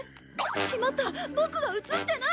しまったボクが映ってない！